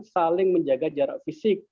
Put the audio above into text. saling menjaga jarak fisik